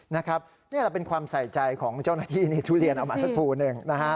นี่เป็นความใส่ใจของเจ้าหน้าที่ทุเรียนเอามาสักครู่หนึ่ง